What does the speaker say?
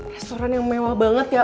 restoran yang mewah banget ya